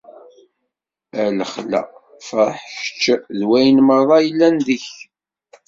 A lexla, fṛeḥ kečč d wayen merra yellan deg-k!